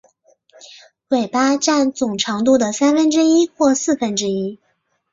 尾巴占总长度的三分之一或四分之一。